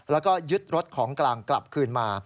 แล้วก็ยึดรถของกลางกลับคืนมา